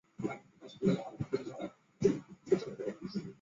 何军的丈夫是中国国家女子篮球队教练许利民。